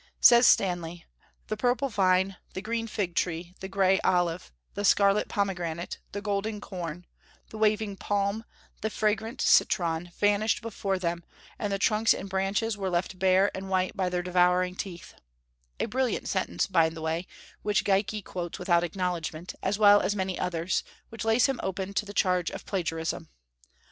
Says Stanley: "The purple vine, the green fig tree, the gray olive, the scarlet pomegranate, the golden corn, the waving palm, the fragrant citron, vanished before them, and the trunks and branches were left bare and white by their devouring teeth," a brilliant sentence, by the way, which Geikie quotes without acknowledgment, as well as many others, which lays him open to the charge of plagiarism.